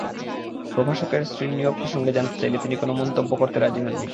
প্রভাষকের স্ত্রীর নিয়োগ প্রসঙ্গে জানতে চাইলে তিনি কোনো মন্তব্য করতে রাজি হননি।